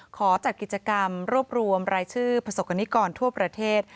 ขอจัดกิจกรรมรวบรวมรายชื่อประสบกรณิกรทั่วประเทศ